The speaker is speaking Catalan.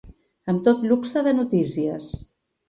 Amb tot luxe de notícies.